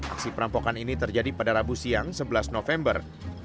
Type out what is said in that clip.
aksi perampokan ini terjadi pada rabu siang sebelas november